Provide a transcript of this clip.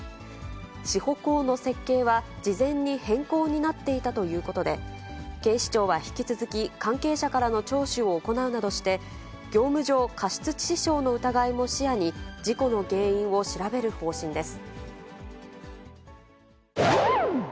支保工の設計は事前に変更になっていたということで、警視庁は引き続き、関係者からの聴取を行うなどして、業務上過失致死傷の疑いも視野に事故の原因を調べる方針です。